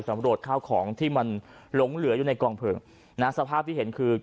ตำรวจข้าวของที่มันหลงเหลืออยู่ในกองเพลิงนะสภาพที่เห็นคือ